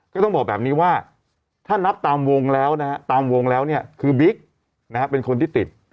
ก็ต้องบอกแบบนี้ว่าถ้านับตามวงแล้วนะฮะตามวงแล้วเนี่ยคือบิ๊กเป็นคนที่ติด